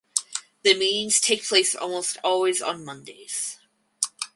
The meetings take place almost always on Mondays.